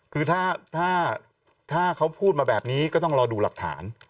คือถ้าเขาพูดมาแบบนี้ก็ต้องรอดูหลักฐาน